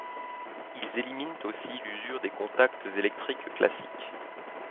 Ils éliminent aussi l'usure des contacts électriques classiques.